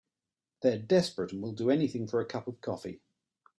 They're desperate and will do anything for a cup of coffee.